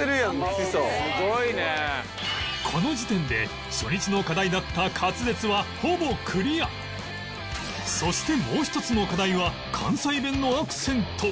この時点で初日の課題だったそしてもう一つの課題は関西弁のアクセント